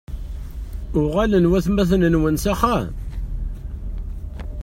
Uɣalen watmaten-nwen s axxam?